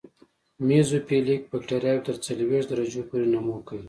میزوفیلیک بکټریاوې تر څلوېښت درجو پورې نمو کوي.